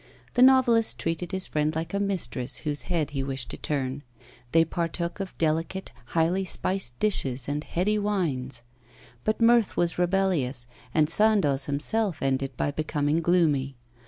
The novelist treated his friend like a mistress whose head he wished to turn; they partook of delicate, highly spiced dishes and heady wines. But mirth was rebellious, and Sandoz himself ended by becoming gloomy.